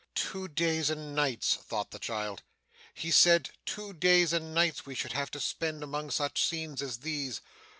'Two days and nights!' thought the child. 'He said two days and nights we should have to spend among such scenes as these.